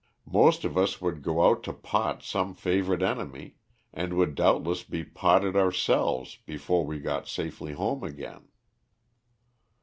Most of us would go out to pot some favourite enemy, and would doubtless be potted ourselves before we got safely home again.